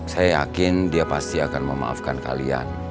saya yakin dia pasti akan memaafkan kalian